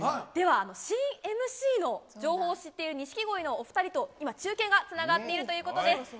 では、新ＭＣの情報を知っている錦鯉のお２人と今、中継がつながっているということです。